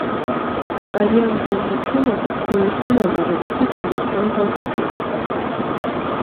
Այրման ջերմությունը որոշվում է վառելիքի քիմիական կազմությամբ։